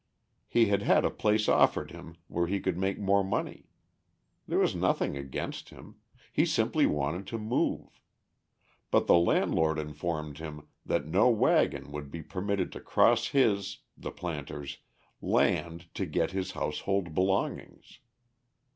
He had had a place offered him where he could make more money. There was nothing against him; he simply wanted to move. But the landlord informed him that no waggon would be permitted to cross his (the planter's) land to get his household belongings.